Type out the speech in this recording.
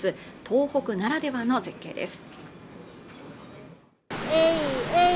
東北ならではの絶景です